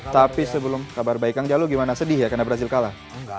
tapi sebelum kabar baik kang jalu gimana sedih ya karena berhasil kalah